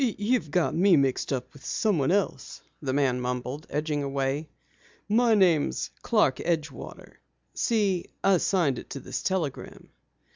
"You've got me mixed up with someone else," the man mumbled, edging away. "My name's Clark Edgewater. See, I signed it to this telegram."